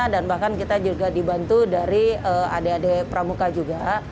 dan bahkan kita juga dibantu dari adik adik pramuka juga